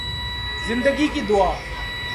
زندگی کی دعا